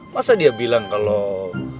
masa dia bilang kalau